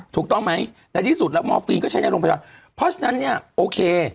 ถูกต้องไหมในที่สุดแล้วมอร์ฟีนก็ใช้ในโรงพยาบาลเพราะฉะนั้นเนี่ยโอเค